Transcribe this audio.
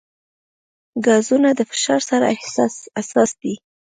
ګازونه د فشار سره حساس دي.